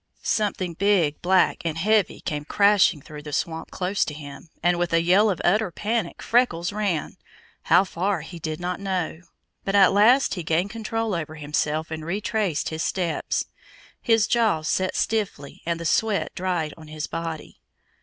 Something big, black, and heavy came crashing through the swamp close to him, and with a yell of utter panic Freckles ran how far he did not know; but at last he gained control over himself and retraced his steps. His jaws set stiffly and the sweat dried on his body.